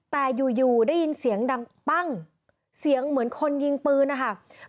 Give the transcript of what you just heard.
แต่อยู่อยู่ได้ยินเสียงดังปั้งเสียงเหมือนคนยิงปืนนะคะ